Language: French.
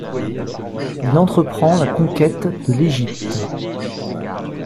Il entreprend la conquête de l’Égypte.